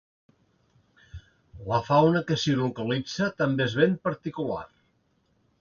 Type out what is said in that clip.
La fauna que s'hi localitza també és ben particular.